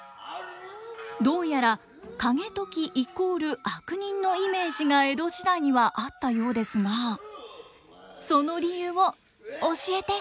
どうやら景時イコール悪人のイメージが江戸時代にはあったようですがその理由を教えて！